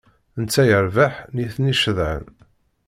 Netta yerbeḥ nitni ceḍḥen.